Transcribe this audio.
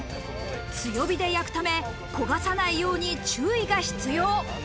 強火で焼くため、焦がさないように注意が必要。